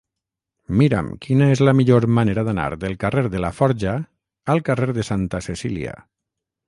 Mira'm quina és la millor manera d'anar del carrer de Laforja al carrer de Santa Cecília.